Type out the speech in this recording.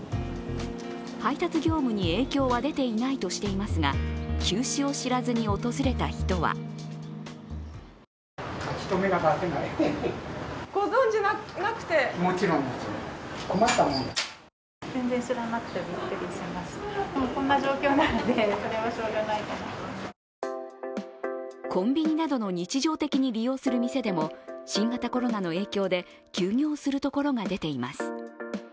配達業務に影響は出ていないとしていますが休止を知らずに訪れた人はコンビニなどの日常的に利用する店でも新型コロナの影響で休業するところが出ています。